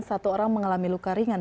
satu orang mengalami luka ringan